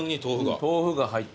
豆腐が入って。